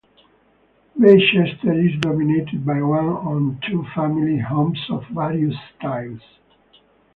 Baychester is dominated by one and two family homes of various styles.